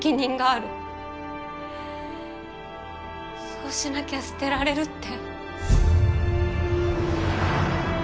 そうしなきゃ捨てられるって。